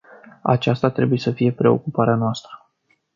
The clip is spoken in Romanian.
Aceasta trebuie să fie preocuparea noastră.